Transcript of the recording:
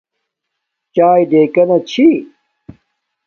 چاݵے ڑیکانا چھی